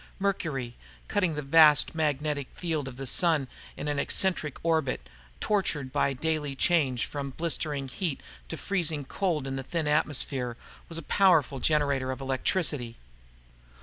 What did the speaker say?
Mercury, cutting the vast magnetic field of the Sun in an eccentric orbit, tortured by the daily change from blistering heat to freezing cold in the thin atmosphere, was a powerful generator of electricity.